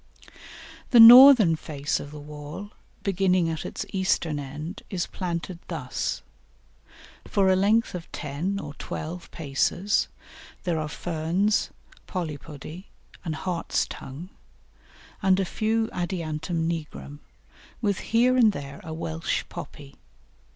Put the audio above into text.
The northern face of the wall, beginning at its eastern end, is planted thus: For a length of ten or twelve paces there are Ferns, Polypody and Hartstongue, and a few Adiantum nigrum, with here and there a Welsh Poppy.